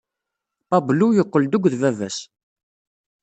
Pablo yeqqel-d akked baba-s.